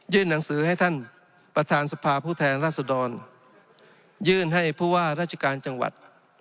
หนังสือให้ท่านประธานสภาผู้แทนราษดรยื่นให้ผู้ว่าราชการจังหวัด